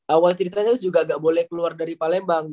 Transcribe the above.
awal ceritanya juga nggak boleh keluar dari palembang